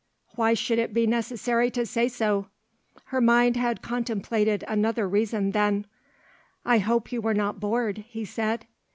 Why should it be necessary to say so? Her mind had contemplated another reason, then. "I hope you were not bored," he said.